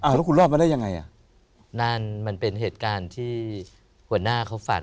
แล้วคุณรอดมาได้ยังไงอ่ะนั่นมันเป็นเหตุการณ์ที่หัวหน้าเขาฝัน